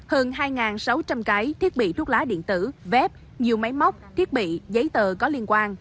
hơn hai sáu trăm linh cái thiết bị thuốc lá điện tử vép nhiều máy móc thiết bị giấy tờ có liên quan